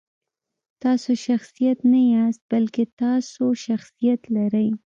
تاسو شخصیت نه یاستئ، بلکې تاسو شخصیت لرئ.